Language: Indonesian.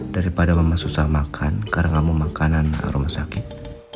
daripada mama susah makan karena gak mau makanan rumah sakit